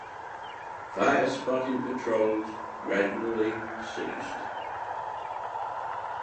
Fire-spotting patrols gradually ceased.